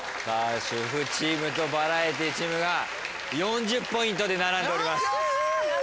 主婦チームとバラエティチームが４０ポイントで並んでおります。